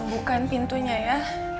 tau bukain pintunya ya